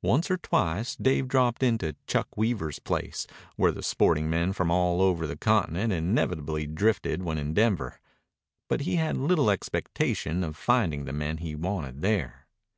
Once or twice Dave dropped in to Chuck Weaver's place, where the sporting men from all over the continent inevitably drifted when in Denver. But he had little expectation of finding the men he wanted there.